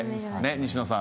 西野さん。